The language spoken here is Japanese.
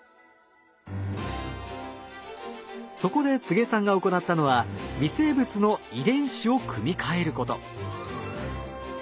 そこで柘植さんが行ったのは微生物の遺伝子を組み換えること。